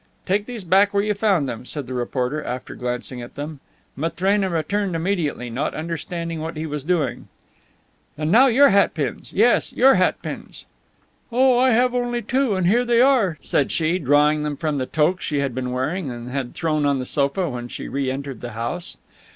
"Take these back where you found them," said the reporter, after glancing at them. Matrena returned immediately, not understanding what he was doing. "And now, your hat pins. Yes, your hat pins." "Oh, I have only two, and here they are," said she, drawing them from the toque she had been wearing and had thrown on the sofa when she re entered the house.